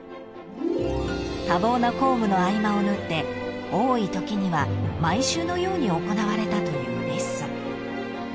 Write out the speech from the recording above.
［多忙な公務の合間を縫って多いときには毎週のように行われたというレッスン］